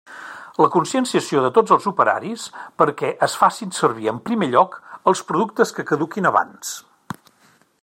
La conscienciació de tots els operaris perquè es facin servir en primer lloc els productes que caduquin abans.